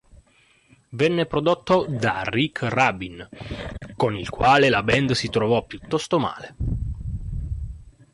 Venne prodotto da Rick Rubin, con il quale la band si trovò piuttosto male.